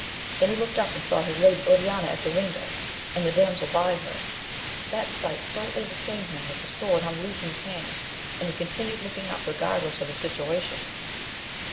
Then he looked up, and saw his lady Oriana at the window, and the damsel by her : that sight so overcame him that the sword hung loose in his hand, and he con tinued looking up regardless of his situation.